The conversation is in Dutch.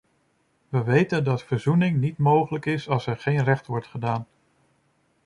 We weten dat verzoening niet mogelijk is als er geen recht wordt gedaan.